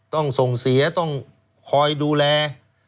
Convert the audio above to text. ต้องส่งเสียต้องคอยดูแล